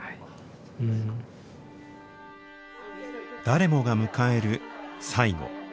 誰もが迎える最期。